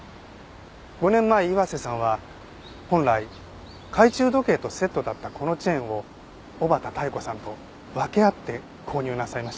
５年前岩瀬さんは本来懐中時計とセットだったこのチェーンを小畠妙子さんと分け合って購入なさいました。